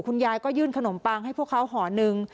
คุณยายก็ยื่นขนมปังให้พวกเขาห่อหนึ่ง